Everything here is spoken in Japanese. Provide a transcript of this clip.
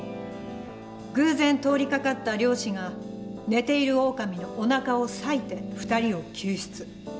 偶然通りかかった猟師が寝ているオオカミのおなかを裂いて２人を救出。